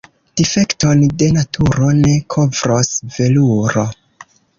Difekton de naturo ne kovros veluro.